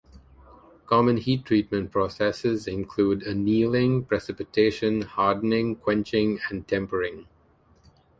Common heat treatment processes include annealing, precipitation hardening, quenching, and tempering.